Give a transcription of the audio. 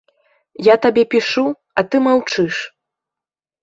Я табе пішу, а ты маўчыш.